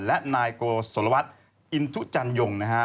และนายโกศลวัฒน์อินทุจันยงนะฮะ